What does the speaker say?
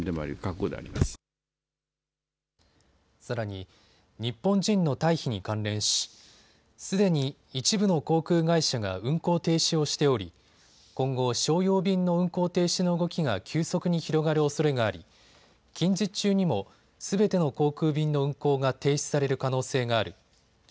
さらに、日本人の退避に関連しすでに一部の航空会社が運航停止をしており今後商用便の運航停止の動きが急速に広がるおそれがあり近日中にもすべての航空便の運航が停止される可能性がある。